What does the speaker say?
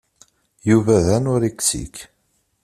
Yuba d anuriksik.